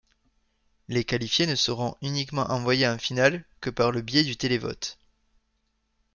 Les qualifiés ne seront uniquement envoyés en finale que par le biais du télévote.